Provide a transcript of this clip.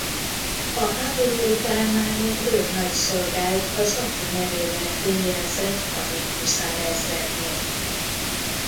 A háború után már mint őrnagy szolgált az apja nevével fémjelzett Hadik-huszárezrednél.